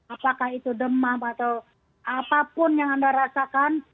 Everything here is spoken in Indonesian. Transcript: apakah itu demam atau apapun yang anda rasakan